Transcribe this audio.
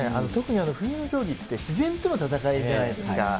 特に冬の競技って自然との戦いじゃないですか。